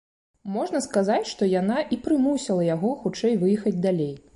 Можна сказаць, што яна і прымусіла яго хутчэй выехаць далей.